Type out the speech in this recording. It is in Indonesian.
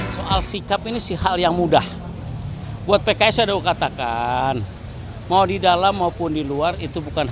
soal sikap ini sih hal yang mudah buat pks ada katakan mau di dalam maupun di luar itu bukan